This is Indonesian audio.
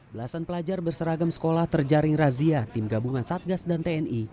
belasan pelajar berseragam sekolah terjaring razia tim gabungan satgas dan tni